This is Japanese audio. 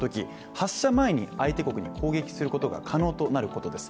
発射前に相手国に攻撃することが可能となることです。